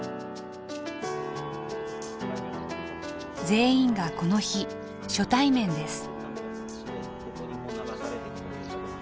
全員がこの日初対面です。